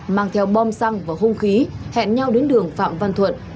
mang theo bom xăng và hung khí hẹn nhau đến đường phạm văn thuận